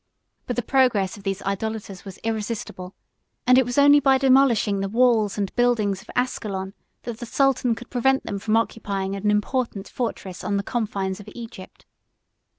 But the progress of these idolaters was irresistible; and it was only by demolishing the walls and buildings of Ascalon, that the sultan could prevent them from occupying an important fortress on the confines of Egypt.